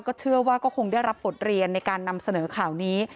เชื่อว่าก็คงได้รับบทเรียนในการนำเสนอข่าวนี้